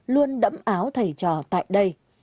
luôn đẫm áo thầy trò tại đây